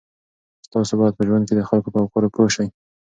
تاسو باید په ژوند کې د خلکو په افکارو پوه شئ.